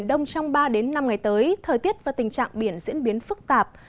trong ba năm ngày tới thời tiết và tình trạng biển diễn biến phức tạp